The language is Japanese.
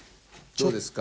どうですか？